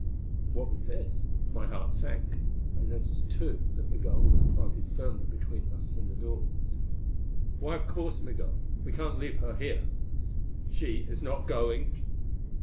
What was this? My heart sank. I noticed, too, that Migul was planted firmly between us and the door. "Why, of course, Migul. We can't leave her here." "She is not going."